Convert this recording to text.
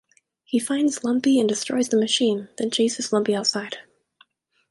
He finds Lumpy and destroys the machine, then chases Lumpy outside.